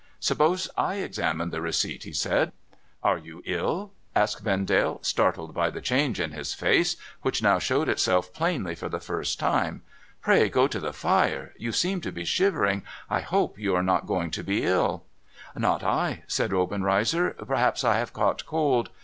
' Suppose I examine the receipt ?' he said. * Are you ill ?' asked Vendale, startled by the change in his face, which now showed itself plainly for the first time. ' Pray go to the fire. You seem to be shivering — I hope you are not going to be ill ?' MORE BAD NEWS ^^^' Not I !' said Obenreizer. ' Perhaps I have caught cold.